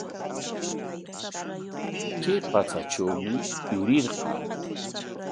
Kay patsatrawmi yurirqaa.